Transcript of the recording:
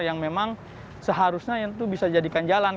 yang memang seharusnya itu bisa jadikan jalan